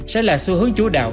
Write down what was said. sẽ là xu hướng chúa đạo